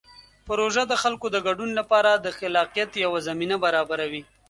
پروژه د خلکو د ګډون لپاره د خلاقیت یوه زمینه برابروي.